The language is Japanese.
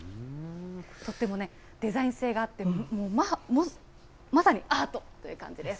とってもデザイン性があって、まさにアートという感じです。